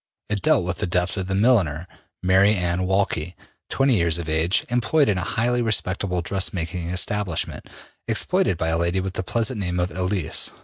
'' It dealt with the death of the milliner, Mary Anne Walkley, 20 years of age, employed in a highly respectable dressmaking establishment, exploited by a lady with the pleasant name of Elise.